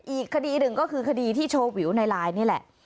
อีกคดีหนึ่งก็คือคดีที่โชว์วิวในไลน์นี่แหละ